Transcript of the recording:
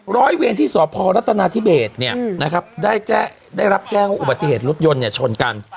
ร้อยเวรที่สพรัฐนาธิเบสเนี่ยนะครับได้รับแจ้งว่าอุบัติเหตุรถยนต์เนี่ยชนกัน